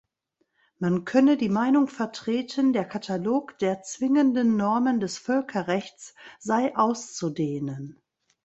Man könne die Meinung vertreten, der Katalog der zwingenden Normen des Völkerrechts sei auszudehnen.